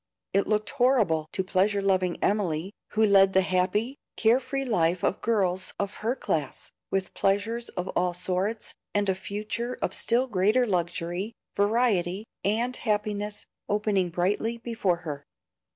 It looked horrible to pleasure loving Emily, who led the happy, care free life of girls of her class, with pleasures of all sorts, and a future of still greater luxury, variety, and happiness, opening brightly before her.